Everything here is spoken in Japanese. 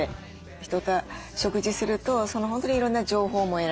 人と食事すると本当にいろんな情報も得られたり